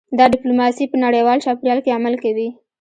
دا ډیپلوماسي په نړیوال چاپیریال کې عمل کوي